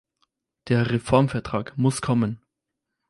Der Reformvertrag muss kommen.